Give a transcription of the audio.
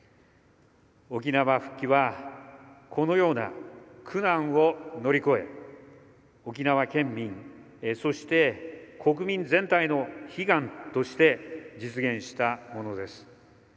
沖縄復帰はこのような苦難を乗り越え沖縄県民、そして国民全体の悲願として実現したものです。